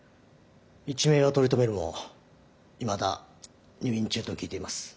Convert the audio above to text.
一命は取り留めるもいまだ入院中と聞いています。